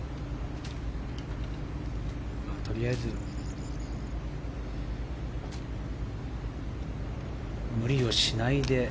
とりあえず無理をしないで。